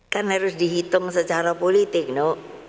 kan harus dihitung secara politik nok